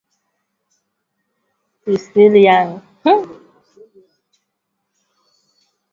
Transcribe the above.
ikiwa na gharama ya dola mia moja na hamsini za kimerekani